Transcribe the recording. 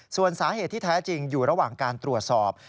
ส่วนสาเหตุที่แท้จริงอยู่ระหว่างการตรวจสอบ